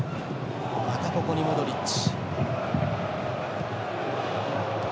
また、ここにモドリッチ。